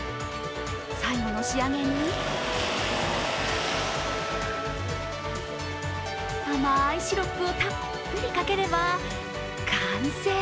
最後の仕上げに、甘いシロップをたっぷりかければ完成。